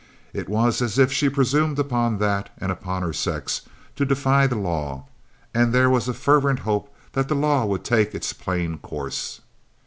It was as if she presumed upon that and upon her sex, to defy the law; and there was a fervent hope that the law would take its plain course.